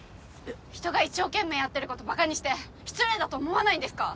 人が一生懸命やってることバカにして失礼だと思わないんですか！？